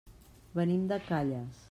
Venim de Calles.